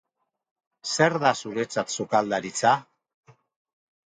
Zer da zuretzat sukaldaritza?